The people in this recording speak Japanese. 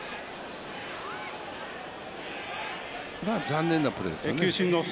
残念なプレーです。